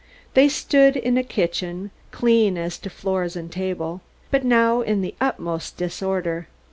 They stood in a kitchen, clean as to floors and tables, but now in the utmost disorder.